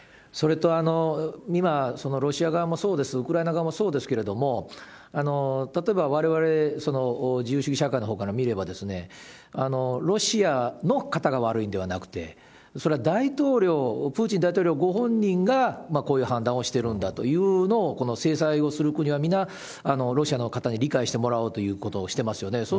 それと今、ロシア側もそうです、ウクライナ側もそうですけれども、例えばわれわれ、自由主義社会のほうから見れば、ロシアの方が悪いんではなくて、それは大統領、プーチン大統領ご本人がこういう判断をしてるんだというのを、この制裁をする国は皆、ロシアの方に理解してもらうということをしてますよね。